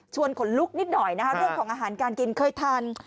ขนลุกนิดหน่อยนะคะเรื่องของอาหารการกินเคยทาน